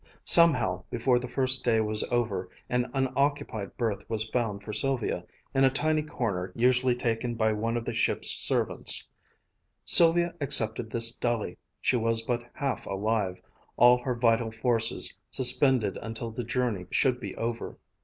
Somehow, before the first day was over, an unoccupied berth was found for Sylvia, in a tiny corner usually taken by one of the ship's servants. Sylvia accepted this dully. She was but half alive, all her vital forces suspended until the journey should be over.